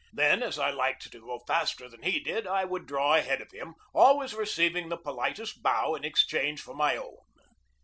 Then, as I liked to go faster than he did, I would draw ahead of him, always receiving the politest bow in exchange for my own.